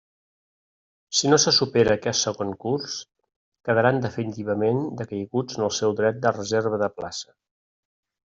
Si no se supera aquest segon curs, quedaran definitivament decaiguts en el seu dret de reserva de plaça.